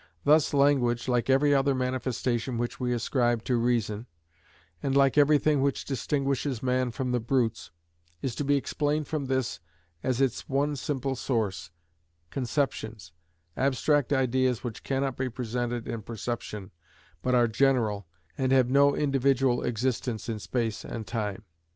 Thus language, like every other manifestation which we ascribe to reason, and like everything which distinguishes man from the brutes, is to be explained from this as its one simple source—conceptions, abstract ideas which cannot be presented in perception, but are general, and have no individual existence in space and time.